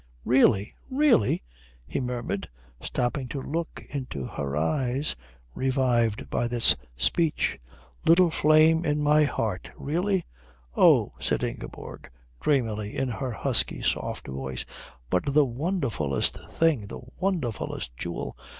"Really? Really?" he murmured, stopping to look into her eyes, revived by this speech. "Little flame in my heart, really?" "Oh," said Ingeborg dreamily, in her husky, soft voice, "but the wonderfullest thing, the wonderfullest jewel.